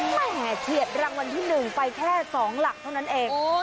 แหมเฉียดรางวัลที่๑ไปแค่๒หลักเท่านั้นเอง